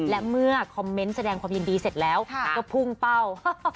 และเมื่อคอมเมนต์แสดงความยินดีเสร็จแล้วก็พุ่งเป้า